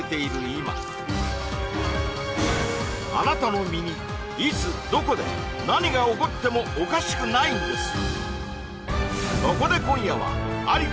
今あなたの身にいつどこで何が起こってもおかしくないんです